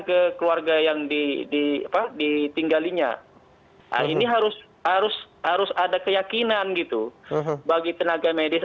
ke keluarga yang di apa ditinggalinya ini harus harus ada keyakinan gitu bagi tenaga medis